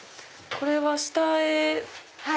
これは下絵。